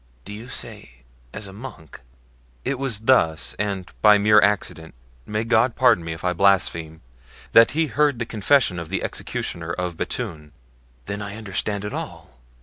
"Do you say as a monk?" "It was thus, and by mere accident—may God pardon me if I blaspheme—that he heard the confession of the executioner of Bethune." "Then I understand it all!